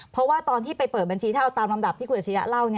เพราะว่าตอนที่ไปเปิดบัญชีเท่าตามลำดับที่คุณเฉยเล่า